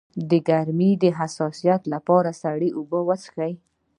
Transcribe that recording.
د ګرمۍ د حساسیت لپاره سړې اوبه وڅښئ